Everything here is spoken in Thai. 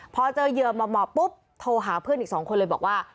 พอเจอเหยื่อหมอปุ๊บโทรหาเพื่อนอีก๒คนเลยบอกว่า